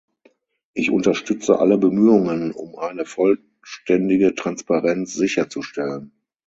Ich unterstütze alle Bemühungen, um eine vollständige Transparenz sicherzustellen.